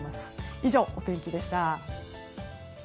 以上、お天気でした。